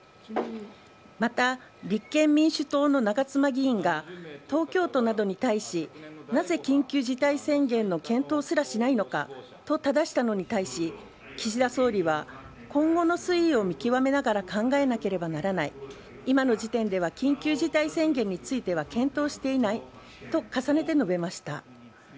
また、立憲民主党の長妻議員が東京都などに対し、なぜ緊急事態宣言の検討すらしないのかとただしたのに対し、岸田総理は、今後の推移を見極めながら考えなければならない、今の時点では緊急事態宣言については検討していないと重ねて述べました。